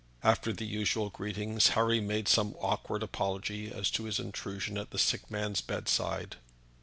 After the usual greetings Harry made some awkward apology as to his intrusion at the sick man's bedside.